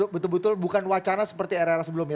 betul betul bukan wacana seperti era era sebelumnya